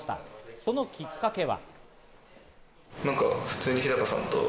そのきっかけは。